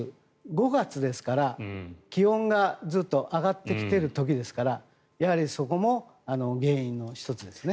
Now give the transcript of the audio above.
５月ですから、気温がずっと上がってきている時ですからそこも原因の１つですね。